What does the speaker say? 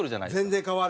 全然変わる。